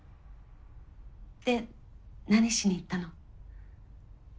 で何しに行ったの？